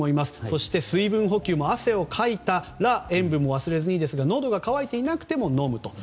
そして水分補給も汗をかいたら塩分も忘れずにのどが渇いていなくても飲むと。